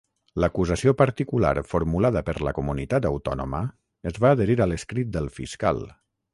L'acusació particular formulada per la Comunitat Autònoma es va adherir a l'escrit del Fiscal.